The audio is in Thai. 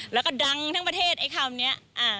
แล้วก็ดังทั้งประเทศไอ้คำนี้